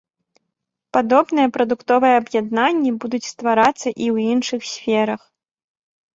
Падобныя прадуктовыя аб'яднанні будуць стварацца і ў іншых сферах.